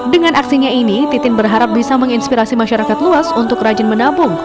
dengan aksinya ini titin berharap bisa menginspirasi masyarakat luas untuk rajin menabung